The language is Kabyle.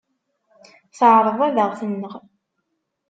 Teɛreḍ ad aɣ-tneɣ.